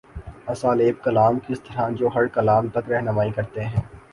اسالیب کلام کس طرح جوہرکلام تک راہنمائی کرتے ہیں؟